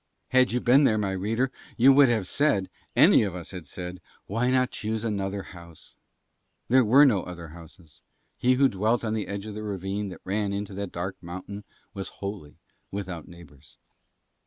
Had you been there, my reader, you would have said, any of us had said, Why not choose some other house? There were no other houses. He who dwelt on the edge of the ravine that ran into that dark mountain was wholly without neighbours.